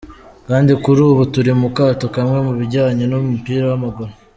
Kandi kuri ubu turi mu kato kamwe mu bijyanye n’umupira w’amaguru.